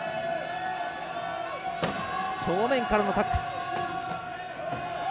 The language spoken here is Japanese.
正面からのタックル。